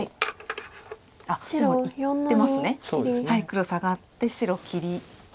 黒サガって白切り。